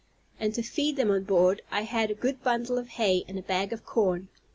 And, to feed them on board, I had a good bundle of hay, and a bag of corn.